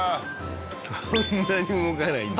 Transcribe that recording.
そんなに動かないんだ。